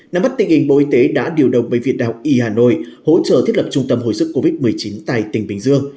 nắm bắt tình hình bộ y tế đã điều động bệnh viện đại học y hà nội hỗ trợ thiết lập trung tâm hồi sức covid một mươi chín tại tỉnh bình dương